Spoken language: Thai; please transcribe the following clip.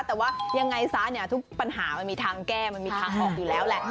แต่ว่ายังไงซะเนี่ยทุกปัญหามันมีทางแก้มันมีทางออกอยู่แล้วแหละ